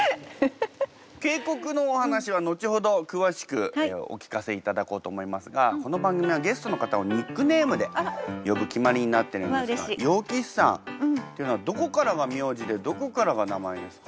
傾国のお話は後ほど詳しくお聞かせいただこうと思いますがこの番組はゲストの方をニックネームで呼ぶ決まりになってるんですが楊貴妃さんっていうのはどこからが名字でどこからが名前ですか？